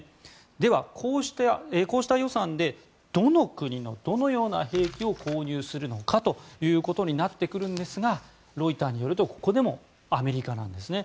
では、こうした予算でどの国のどのような兵器を購入するのかということになってくるんですがロイターによるとここでもアメリカなんですね。